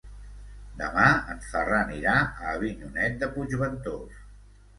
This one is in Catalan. Demà en Ferran irà a Avinyonet de Puigventós.